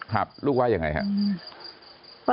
ครับลูกว่าอย่างไรครับ